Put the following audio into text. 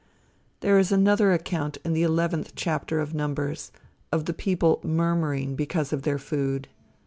There is another account in the eleventh chapter of Numbers, of the people murmuring because of their food.